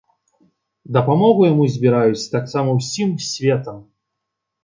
Дапамогу яму збіраюць таксама ўсім светам.